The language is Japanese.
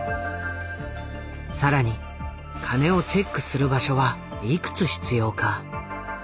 さらに金をチェックする場所はいくつ必要か？